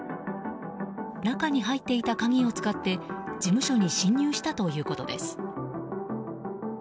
中に入っていた鍵を使って事務所に侵入したということです。